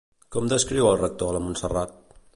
Com descriu el rector a la Montserrat?